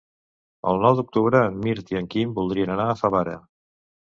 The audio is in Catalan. El nou d'octubre en Mirt i en Quim voldrien anar a Favara.